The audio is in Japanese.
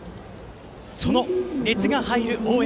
その熱が入る応援。